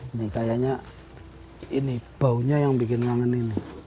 ini kayaknya ini baunya yang bikin ngangan ini